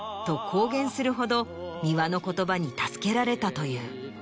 公言するほど美輪の言葉に助けられたという。